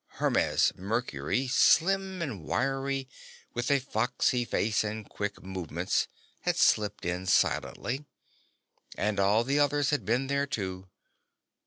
Hermes/Mercury, slim and wily, with a foxy face and quick movements, had slipped in silently. And all the others had been there, too.